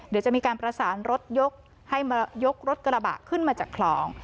เดี๋ยวจะมีการประสานรถยกให้มายกรถกระบะขึ้นมาจากคลอง